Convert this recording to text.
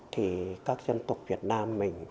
thì các dân tộc việt nam mình